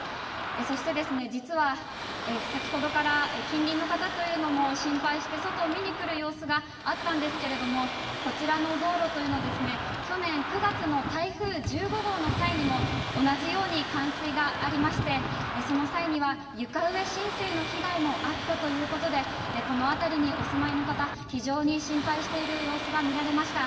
そして、実は先ほどから近隣の方というのも心配して外を見に来る様子があったんですがこちらの道路は去年９月の台風１５号の際にも同じように冠水がありましてその際には床上浸水の被害もあったということでこの辺りにお住まいの方非常に心配している様子が見られました。